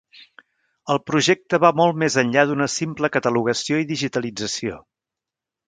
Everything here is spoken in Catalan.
El projecte va molt més enllà d'una simple catalogació i digitalització.